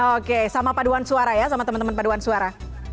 oke sama paduan suara ya sama teman teman paduan suara